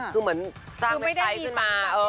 คือเหมือนจ้างแบบไทยขึ้นมา